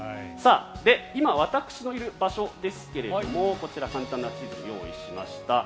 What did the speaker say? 今、私のいる場所ですけれどもこちら、簡単な地図を用意しました。